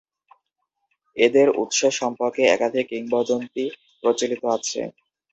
এদের উৎস সম্পর্কে একাধিক কিংবদন্তি প্রচলিত আছে।